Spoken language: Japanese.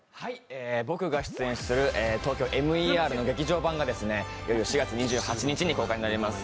僕が出演する「ＴＯＫＹＯＭＥＲ」の劇場版がいよいよ４月２８日に公開になります